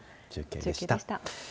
中継でした。